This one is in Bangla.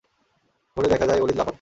ভোরে দেখা যায় ওলীদ লাপাত্তা।